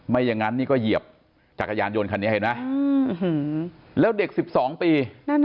ไม่อย่างนั้นนี่ก็เหยียบจักรยานยนต์คันนี้เห็นไหมแล้วเด็ก๑๒ปี